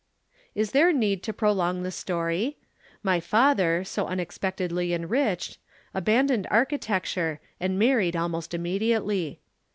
"'Is there need to prolong the story? My father, so unexpectedly enriched, abandoned architecture and married almost immediately.